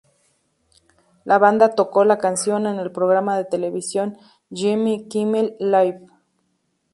La banda tocó la canción en el programa de televisión "Jimmy Kimmel live!